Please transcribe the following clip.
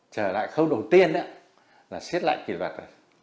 trở lại khâu đầu tiên là xét lại kỷ luật